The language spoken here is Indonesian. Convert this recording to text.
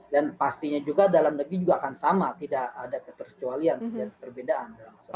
dan pastinya juga dalam negeri juga akan sama tidak ada kekecualian dan kebedaan